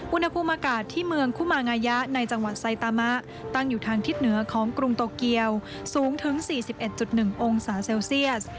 อุณหภูมิอากาศที่เมืองคุมางายะในจังหวัดไซตามะตั้งอยู่ทางทิศเหนือของกรุงโตเกียวสูงถึง๔๑๑องศาเซลเซียส